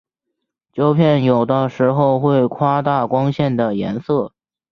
胶片有的时候会夸大光线的颜色。